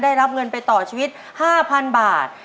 ได้รับเงินไปต่อชีวิต๕๐๐๐บาท